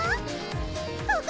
ここ！